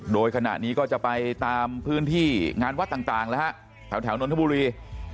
โดยขณะนี้ก็จะไปตามพื้นที่งานวัดต่างแล้วฮะแถวนนทบุรี